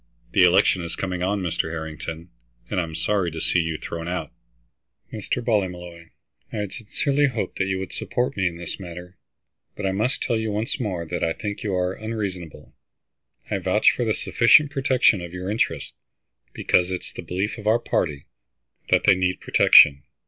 The election is coming on, Mr. Harrington, and I'd be sorry to see you thrown out." "Mr. Ballymolloy, I had sincerely hoped that you would support me in this matter, but I must tell you once more that I think you are unreasonable. I vouch for the sufficient protection of your interests, because it is the belief of our party that they need protection.